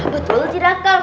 betul sih rakel